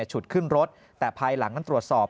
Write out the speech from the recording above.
ฉุดขึ้นรถแต่ภายหลังนั้นตรวจสอบ